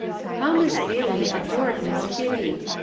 How Miss Ailie adored Miss Kitty!